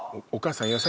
お母さん。